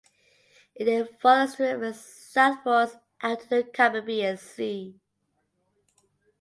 It then follows this river southwards out to the Caribbean Sea.